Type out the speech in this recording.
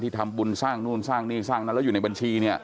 ทำบุญสร้างนู่นสร้างนี่สร้างนั้นแล้วอยู่ในบัญชีเนี่ย